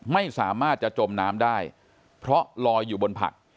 ไม่สามารถจะจมน้ำได้เพราะลอยอยู่บนผัก